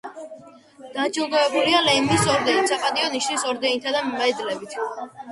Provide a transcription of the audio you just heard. დაჯილდოებულია ლენინის ორდენით, „საპატიო ნიშნის“ ორდენითა და მედლებით.